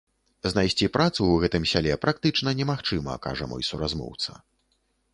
Знайсці працу ў гэтым сяле практычна немагчыма, кажа мой суразмоўца.